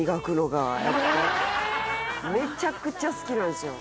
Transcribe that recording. めちゃくちゃ好きなんですよ